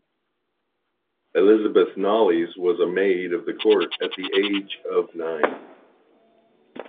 Elizabeth Knollys was a maid of the court at the age of nine.